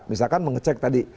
misalkan mengecek tadi